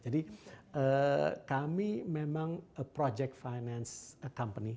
jadi kami memang project finance company